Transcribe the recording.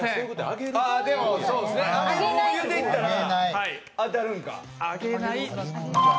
でも揚げ物でいったら当たるんか。